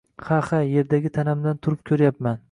Ha, ha, yerdagi tanamdan turib ko‘ryapti